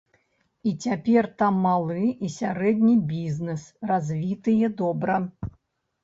І цяпер там малы і сярэдні бізнэс развітыя добра.